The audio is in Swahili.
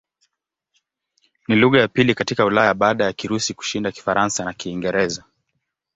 Ni lugha ya pili katika Ulaya baada ya Kirusi kushinda Kifaransa na Kiingereza.